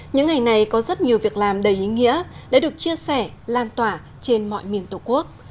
những ngày này có rất nhiều việc làm đầy ý nghĩa đã được chia sẻ lan tỏa trên mọi miền tổ quốc